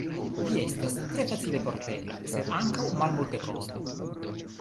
Ĝi estas tre facile portebla, sed ankaŭ malmultekosta.